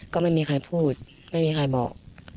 ก็ไม่มีใครพูดไม่มีใครบอก